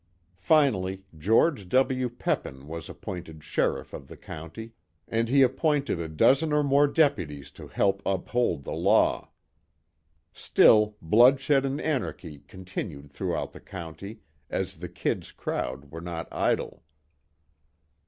Finally, George W. Peppin was appointed Sheriff of the County, and he appointed a dozen or more deputies to help uphold the law. Still bloodshed and anarchy continued throughout the County, as the "Kid's" crowd were not idle.